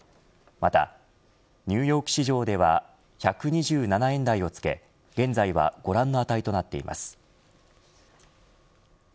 またニューヨーク市場では１２７円台をつけ現在はご覧の値となっています。